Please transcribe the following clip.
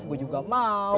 gua juga mau